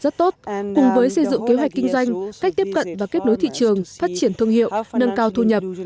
rất tốt cùng với xây dựng kế hoạch kinh doanh cách tiếp cận và kết nối thị trường phát triển thương hiệu nâng cao thu nhập